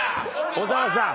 小澤さん。